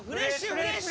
フレッシュ！